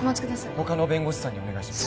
他の弁護士さんにお願いします